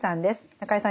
中江さん